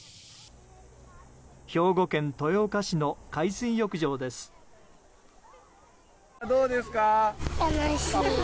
兵庫県豊岡市の海水浴場です。